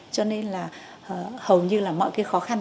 cho nên là hầu như là mọi cái khó khăn